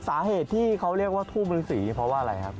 สาเหตุที่เขาเรียกว่าทูบฤษีเพราะว่าอะไรครับ